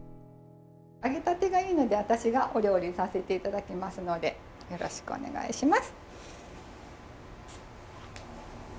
揚げたてがいいので私がお料理させて頂きますのでよろしくお願いします。